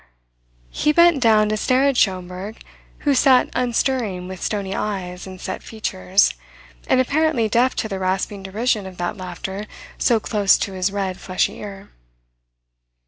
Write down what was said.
He bent down to stare at Schomberg who sat unstirring with stony eyes and set features, and apparently deaf to the rasping derision of that laughter so close to his red fleshy ear.